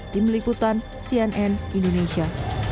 tim liputan cnn indonesia